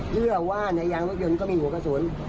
เชื่อว่าในยางรถยนต์ก็มีหัวกระสุน